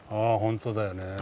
本当だよね。